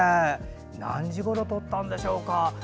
何時ごろ撮ったんでしょうか。